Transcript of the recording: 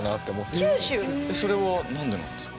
それは何でなんですか？